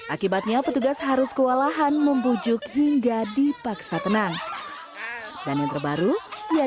akibatnya petugas harus kewalahan membujuk hingga dipaksa tenang dan yang terbaru ia